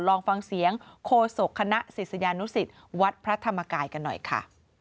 ลองฟังเสียงโคศกคณะศิษยานุสิตวัดพระธรรมกายกันหน่อยค่ะ